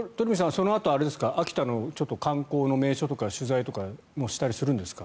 そのあと秋田の観光の名所とか取材とかもしたりするんですか？